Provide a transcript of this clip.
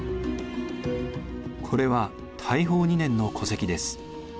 これは大宝２年の戸籍です。